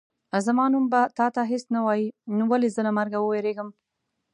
زما نوم به تا ته هېڅ نه وایي نو ولې زه له مرګه ووېرېږم.